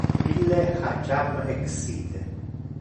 Ille ha jam exite.